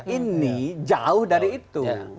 ini jauh dari itu